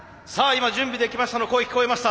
今「準備できました」の声聞こえました。